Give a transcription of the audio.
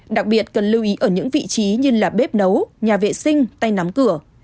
đặc biệt cần lưu ý ở những vị trí như là bếp nấu nhà vệ sinh tay nắm cửa